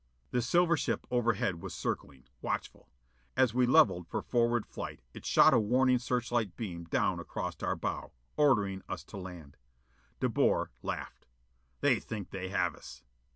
The silver ship overhead was circling, watchful. And as we levelled for forward flight it shot a warning searchlight beam down across our bow, ordering us to land. De Boer laughed. "They think they have us!"